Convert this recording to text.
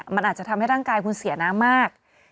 มันอาจจะทำให้ร่างกายคุณเสียน้ำมาก